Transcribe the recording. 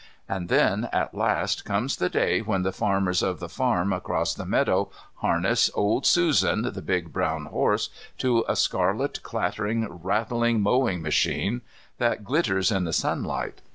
And then at last comes the day when the farmers of the farm across the meadow harness old Susan, the big brown horse, to a scarlet clattering rattling mowing machine that glitters in the sunlight.